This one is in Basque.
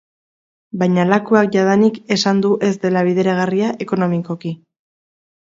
Baina Lakuak jadanik esan du ez dela bideragarria ekonomikoki.